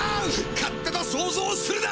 勝手な想ぞうをするな！